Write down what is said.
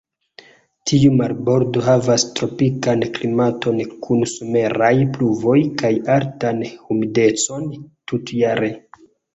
Tiu marbordo havas tropikan klimaton kun someraj pluvoj kaj altan humidecon tutjare.